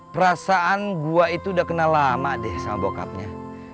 perasaan gua itu udah kenal lama deh sama bokapnya